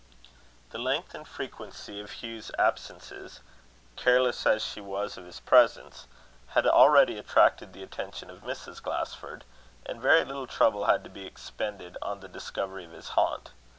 The length and frequency of Hugh's absences, careless as she was of his presence, had already attracted the attention of Mrs. Glasford; and very little trouble had to be expended on the discovery of his haunt.